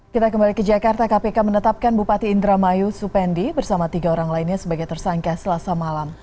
kita kembali ke jakarta kpk menetapkan bupati indramayu supendi bersama tiga orang lainnya sebagai tersangka selasa malam